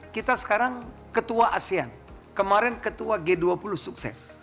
kita sekarang ketua asean kemarin ketua g dua puluh sukses